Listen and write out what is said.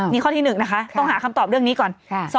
นี่ข้อที่๑นะคะต้องหาคำตอบเรื่องนี้ก่อน